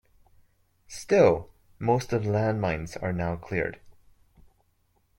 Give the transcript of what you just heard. Still, most of the land mines are now cleared.